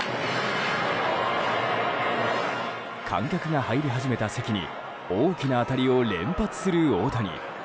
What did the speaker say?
観客が入り始めた席に大きな当たりを連発する大谷。